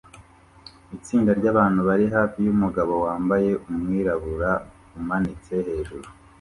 Itsinda ryabantu bari hafi yumugabo wambaye umwirabura umanitse hejuru